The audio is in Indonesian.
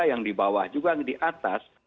yang di bawah juga yang di atas